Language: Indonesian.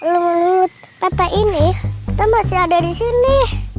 kalau menurut peta ini kita masih ada di sini